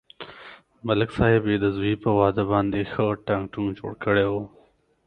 ملک صاحب یې د زوی په واده باندې ښه ټنگ ټکور جوړ کړی و.